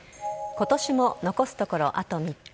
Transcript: ことしも残すところあと３日。